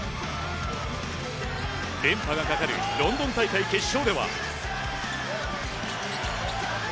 連覇がかかるロンドン大会決勝では。